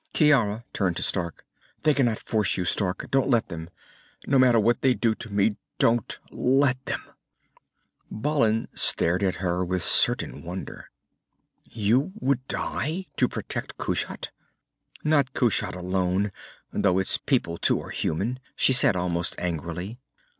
Ciara turned to Stark. "They cannot force you, Stark. Don't let them. No matter what they do to me, don't let them!" Balin stared at her with a certain wonder. "You would die, to protect Kushat?" "Not Kushat alone, though its people too are human," she said, almost angrily.